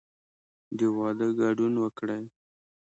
د واده ګډون وکړئ